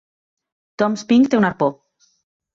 Tom Spink té un arpó.